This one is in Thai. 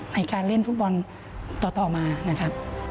ในการเล่นฟุตบอลต่อมา